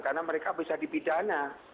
karena mereka bisa dipidana